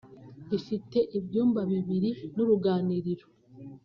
ifite ibyumba bibiri n’uruganiriro